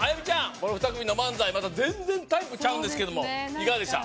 この２組の漫才また全然タイプちゃうんですけどもそうですね何かいかがでした？